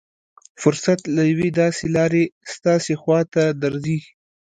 فرصت له يوې داسې لارې ستاسې خوا ته درځي.